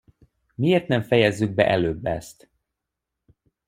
Miért nem fejezzük be előbb ezt?